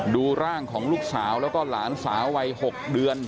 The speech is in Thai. ดูร่างของลูกสาวแล้วก็หลานสาววัย๖เดือน